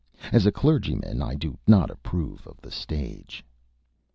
As a clergyman, I do not approve of the stage."